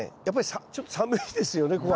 やっぱりちょっと寒いですよね